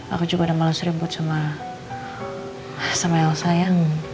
aku juga udah malas ribut sama elsa ya